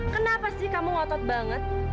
kenapa sih kamu ngotot banget